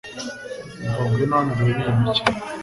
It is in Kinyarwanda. umva, ngwino hano urebe iyi mikino .